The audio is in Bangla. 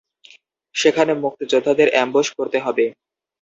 সেখানে মুক্তিযোদ্ধাদের অ্যামবুশ করতে হবে।